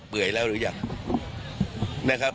เบื่อแล้วหรือยัง